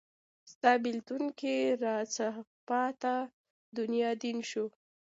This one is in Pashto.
ستا بیلتون کې راڅه پاته دنیا دین شو